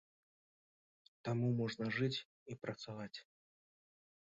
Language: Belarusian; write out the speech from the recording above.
Таму можна жыць і працаваць.